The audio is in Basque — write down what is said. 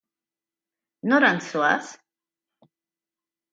Norantz zoaz?